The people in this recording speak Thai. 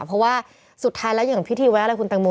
เพราะว่าสุดท้ายแล้วอย่างพิธีไว้อะไรคุณตังโม